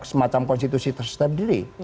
semacam konstitusi tersendiri